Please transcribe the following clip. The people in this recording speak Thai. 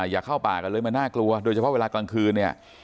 อย่าเข้าป่ากันเลยมันน่ากลัวโดยเฉพาะเวลากลางคืนเนี่ย